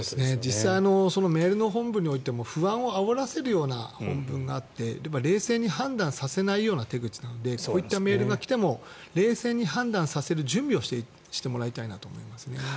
実際メールの本文においても不安をあおらせるような文があって冷静に判断させないような文なのでこういったメールが来ても冷静に判断する準備をしてもらいたいなと思いますね。